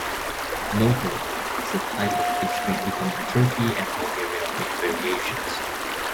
Nokul is a type of pastry eaten in Turkey and Bulgaria with variations.